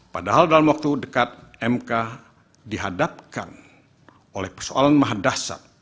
padahal dalam waktu dekat mk dihadapkan oleh persoalan maha dasar